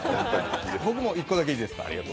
僕も１個だけいいですか？